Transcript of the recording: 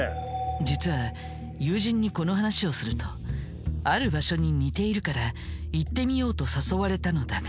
実は友人にこの話をするとある場所に似ているから行ってみようと誘われたのだが。